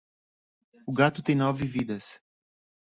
O gato tem nove vidas.